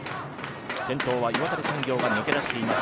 先頭は岩谷産業が抜け出しています。